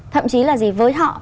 thậm chí là gì với họ